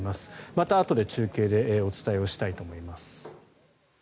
またあとで中継でお伝えしたいと思います。